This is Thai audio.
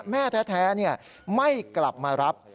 แม่แท้ไม่กลับมารับ